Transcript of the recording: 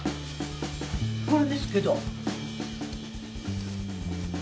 これですけど。